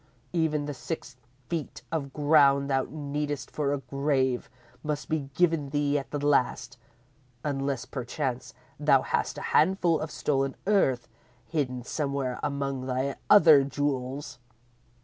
Even the six feet of ground thou needest for a grave must be given thee at the last, unless, perchance, thou hast a handful of stolen earth hidden somewhere among thy other jewels!"